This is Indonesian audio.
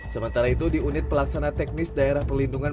sementara itu di unit pelaksana teknis daerah perlindungan